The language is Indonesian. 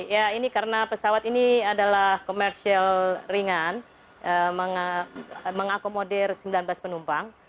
ya ini karena pesawat ini adalah komersial ringan mengakomodir sembilan belas penumpang